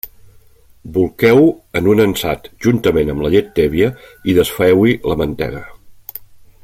Bolqueu-ho en un ansat, juntament amb la llet tèbia i desfeu-hi la mantega.